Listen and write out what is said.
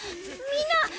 みんな！